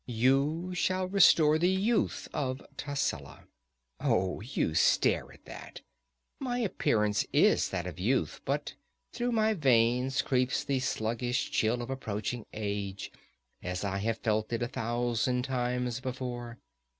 "You shall restore the youth of Tascela. Oh, you stare at that! My appearance is that of youth, but through my veins creeps the sluggish chill of approaching age, as I have felt it a thousand times before.